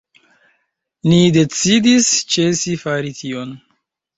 Ni decidis ĉesi fari tion.